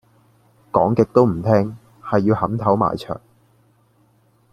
講極都唔聽，係要撼頭埋牆。